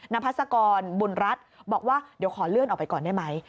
พัศกรบุญรัฐบอกว่าเดี๋ยวขอเลื่อนออกไปก่อนได้ไหม